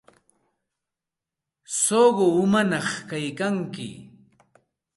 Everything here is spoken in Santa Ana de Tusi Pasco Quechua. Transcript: Suqu umañaq kaykanki.